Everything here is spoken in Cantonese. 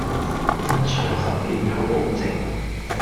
真材實料有保證